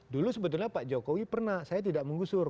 dulu sebetulnya pak jokowi pernah saya tidak menggusur